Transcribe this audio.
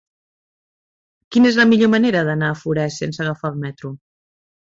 Quina és la millor manera d'anar a Forès sense agafar el metro?